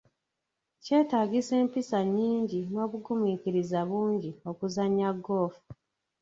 Kyetaagisa empisa nyingi n'obugumiikiriza bungi okuzannya ggoofu.